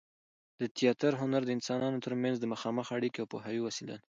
د تياتر هنر د انسانانو تر منځ د مخامخ اړیکې او پوهاوي وسیله ده.